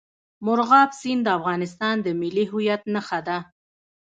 مورغاب سیند د افغانستان د ملي هویت نښه ده.